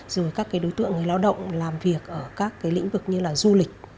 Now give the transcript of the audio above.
rồi các cái đối tượng người lao động làm việc ở các lĩnh vực như là du lịch